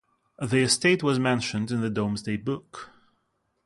The estate was mentioned in the Domesday book.